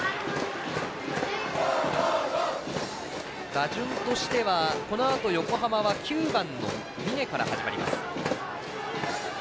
打順としてはこのあと、横浜は９番の峯から始まります。